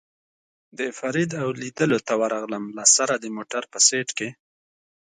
د فرید او لېدلو ته ورغلم، له سره د موټر په سېټ کې.